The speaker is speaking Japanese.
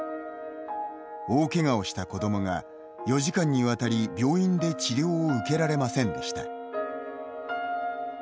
大けがをした子どもが４時間にわたり、病院で治療を受けられませんでした。